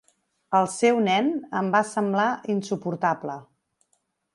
El seu nen em va semblar insuportable.